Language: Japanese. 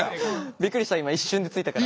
びっくりした今一瞬でついたから。